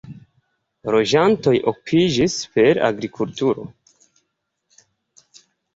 Loĝantoj okupiĝis per agrikulturo.